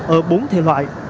ở bốn thể loại